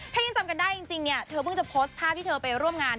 ถ้ายังจำกันได้จริงเนี่ยเธอเพิ่งจะโพสต์ภาพที่เธอไปร่วมงาน